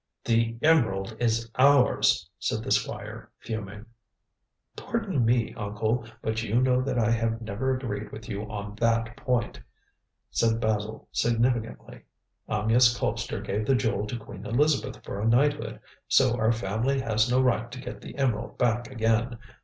"The emerald is ours," said the Squire, fuming. "Pardon me, uncle, but you know that I have never agreed with you on that point," said Basil significantly. "Amyas Colpster gave the jewel to Queen Elizabeth for a knighthood, so our family has no right to get the emerald back again.